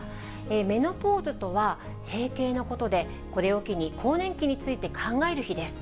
メノポーズとは閉経のことで、これを機に、更年期について考える日です。